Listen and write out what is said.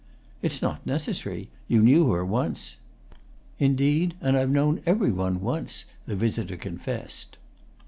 "It's not necessary; you knew her once." "Indeed and I've known every one once," the visitor confessed.